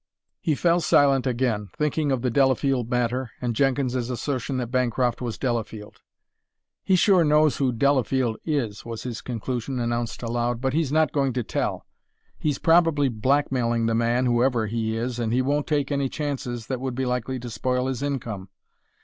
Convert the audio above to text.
He fell silent again, thinking of the Delafield matter and Jenkins's assertion that Bancroft was Delafield. "He sure knows who Delafield is," was his conclusion, announced aloud, "but he's not going to tell. He's probably blackmailing the man, whoever he is, and he won't take any chances that would be likely to spoil his income.